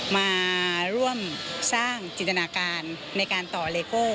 มาร่วมสร้างจินตนาการในการต่อเลโก้